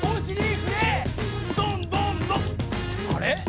あれ？